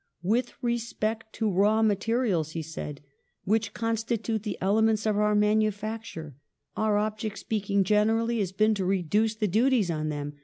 " With respect to raw materials," he said, " which constitute the elements of our manufacture, our object, speaking generally, has been to reduce the duties on them to almost a nominal amount.